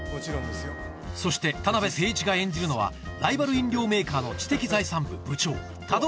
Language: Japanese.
そして田辺誠一が演じるのはライバル飲料メーカーの知的財産部部長田所